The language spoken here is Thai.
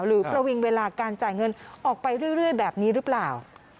ประวิงเวลาการจ่ายเงินออกไปเรื่อยแบบนี้หรือเปล่า